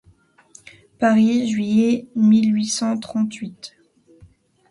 Paris, juillet mille huit cent trente-huit.